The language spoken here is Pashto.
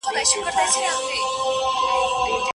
هغه اوږد ډنډ چي ګڼ خلګ یې ړنګوي، زوړ دی.